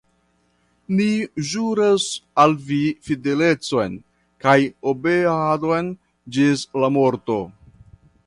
Ni ĵuras al vi fidelecon kaj obeadon ĝis la morto!